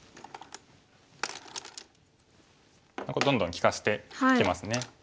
どんどん利かしてきますね。